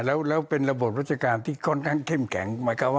แล้วเป็นระบบราชการที่ค่อนข้างเข้มแข็ง